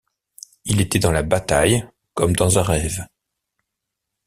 Il était dans la bataille comme dans un rêve.